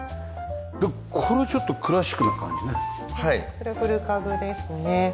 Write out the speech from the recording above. これ古株ですね。